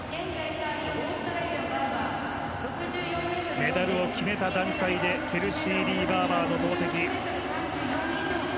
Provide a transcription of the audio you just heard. メダルを決めた段階でケルシー・リー・バーバーの投てき。